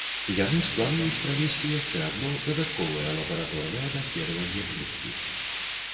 Яны ж плануюць правесці яшчэ адно, дадатковае лабараторнае даследаванне пліткі.